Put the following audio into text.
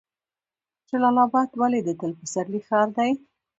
جلال اباد ولې د تل پسرلي ښار دی؟